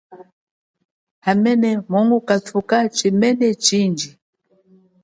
Hamene mungukathuka chimene chindji.